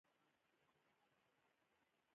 ایا یوه اونۍ وروسته راتلی شئ؟